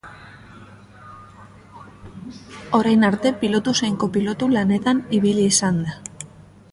Orain arte pilotu zein kopilotu lanetan ibili izan da.